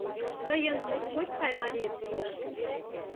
Тыйын моткоч сай мариет лиеш!